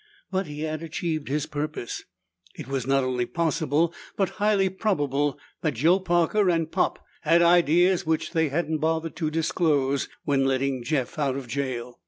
But he had achieved his purpose. It was not only possible but highly probable that Joe Parker and Pop had ideas which they hadn't bothered to disclose when letting Jeff out of jail.